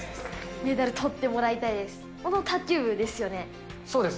メダルとってもらいたいです。